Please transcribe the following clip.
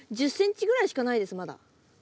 １０ｃｍぐらいしかないですまだ。